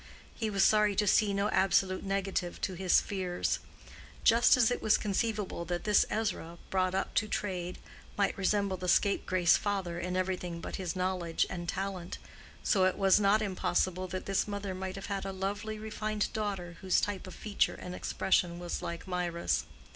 He was sorry to see no absolute negative to his fears. Just as it was conceivable that this Ezra, brought up to trade, might resemble the scapegrace father in everything but his knowledge and talent, so it was not impossible that this mother might have had a lovely refined daughter whose type of feature and expression was like Mirah's.